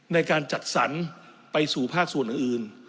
ในการจัดสรรไปสู่ภาคส่วนอื่น